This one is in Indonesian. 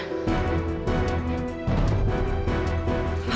ibu gak mau kalau kamu deket sama dia